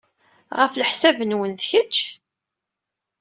Ɣef leḥsab-nwen, ad tečč?